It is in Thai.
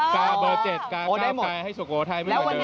กาเบอร์๗กา๙ให้สุโกไทยไม่เหมือนเดิม